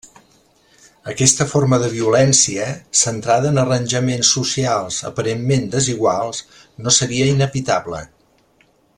Aquesta forma de violència, centrada en arranjaments socials aparentment desiguals, no seria inevitable.